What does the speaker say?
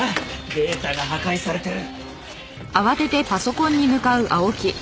データが破壊されてる。